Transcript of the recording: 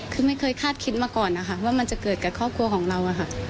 คือไม่เคยคาดคิดมาก่อนนะคะว่ามันจะเกิดกับครอบครัวของเราค่ะ